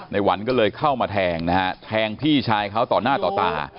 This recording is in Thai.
หวันก็เลยเข้ามาแทงนะฮะแทงพี่ชายเขาต่อหน้าต่อตา